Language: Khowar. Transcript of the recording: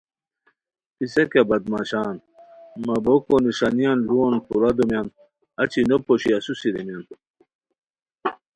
پِسہ کیہ بدمعاشان، مہ بوکو نݰانیان لوؤ پورا دومیان، اچی نوپوشی اسوسی ریمیان